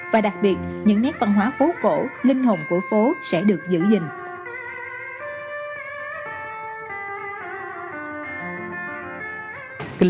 và đặc biệt những nét văn hóa phố cổ linh hồn của phố sẽ được giữ gìn